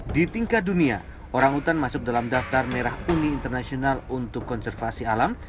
di tingkat dunia orang hutan masuk dalam daftar merah uni internasional untuk konservasi alam